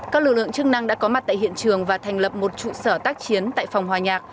các lực lượng chức năng đã có mặt tại hiện trường và thành lập một trụ sở tác chiến tại phòng hòa nhạc